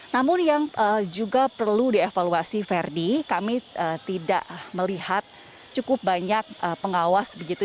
namun yang juga perlu dievaluasi verdi kami tidak melihat cukup banyak pengawas begitu